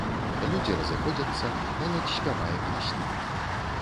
Людзі разыходзяцца, моладзь спявае песні.